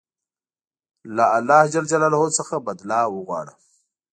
له الله ج څخه بدله وغواړه.